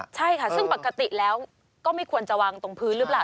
ใช่ค่ะซึ่งปกติแล้วก็ไม่ควรจะวางตรงพื้นหรือเปล่า